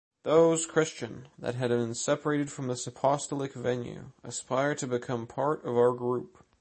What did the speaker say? Those Christian, that had been separated from this apostolic venue, aspire to become part of our group.